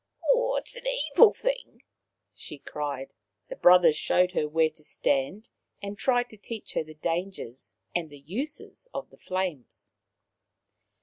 " It is an evil thing," she cried. The brothers showed hei where to stand and tried to teach her the dangers and the uses of the flames.